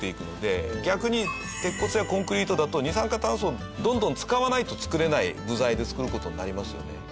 逆に鉄骨やコンクリートだと二酸化炭素をどんどん使わないと作れない部材で造る事になりますよね。